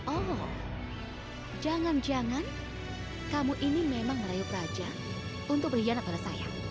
oh jangan jangan kamu ini memang merayu praja untuk berhianat pada saya